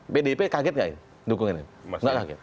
bdp kaget nggak ini dukungan ini